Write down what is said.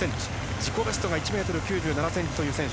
自己ベストが１ｍ９７ｃｍという選手。